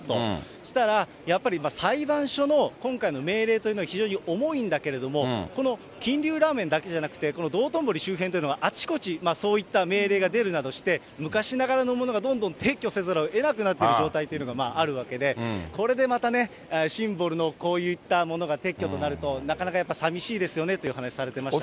そしたら、やっぱり裁判所の今回の命令というのは非常に重いんだけれども、この金龍ラーメンだけじゃなくて、この道頓堀周辺というのは、あちこち、そういった命令が出るなどして、昔ながらのものがどんどん撤去せざるをえないという状況があるわけで、これでまたね、シンボルのこういったものが撤去となると、なかなかやっぱり、さみしいですよねというお話されてましたね。